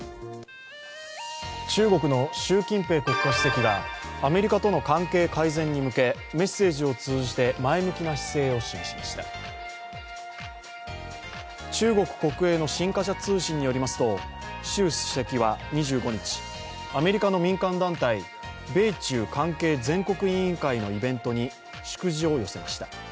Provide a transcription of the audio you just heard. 中国の習近平国家主席がアメリカとの関係改善に向け、メッセージを通じて前向きな姿勢を示しました中国国営の新華社通信によりますと習主席は２５日、アメリカの民間団体、米中関係全国委員会のイベントに祝辞を寄せました。